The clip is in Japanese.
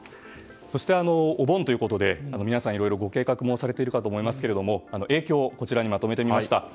そして、お盆ということで皆さん、いろいろとご計画をされているかと思いますが影響、こちらにまとめました。